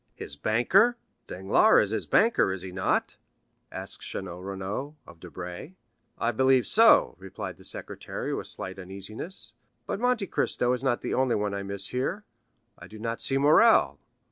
"His banker? Danglars is his banker, is he not?" asked Château Renaud of Debray. "I believe so," replied the secretary with slight uneasiness. "But Monte Cristo is not the only one I miss here; I do not see Morrel."